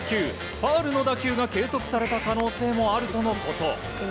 ファウルの打球が計測された可能性もあるとのこと。